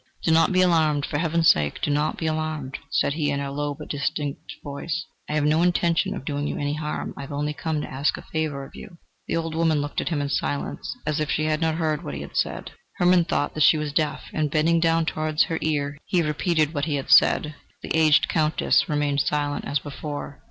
"Do not be alarmed, for Heaven's sake, do not be alarmed!" said he in a low but distinct voice. "I have no intention of doing you any harm, I have only come to ask a favour of you." The old woman looked at him in silence, as if she had not heard what he had said. Hermann thought that she was deaf, and bending down towards her ear, he repeated what he had said. The aged Countess remained silent as before.